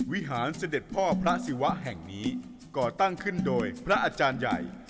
วิหารเสด็จพ่อพระศิวะแห่งนี้ก่อตั้งขึ้นโดยพระอาจารย์ใหญ่